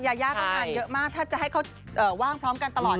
ยายาก็งานเยอะมากถ้าจะให้เขาว่างพร้อมกันตลอด